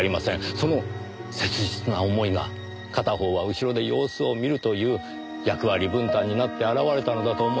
その切実な思いが片方は後ろで様子を見るという役割分担になって表れたのだと思いますよ。